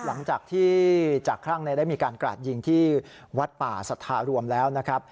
หลังจากที่จากครั่งได้มีการกราดยิงที่วัดป่าสัทธารวมแล้วนะครับ